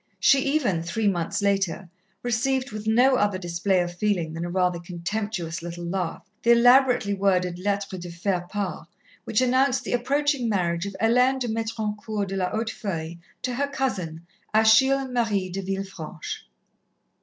She even, three months later, received with no other display of feeling than a rather contemptuous little laugh, the elaborately worded lettre de faire part which announced the approaching marriage of Hélène de Métrancourt de la Hautefeuille to her cousin, Achille Marie de Villefranche.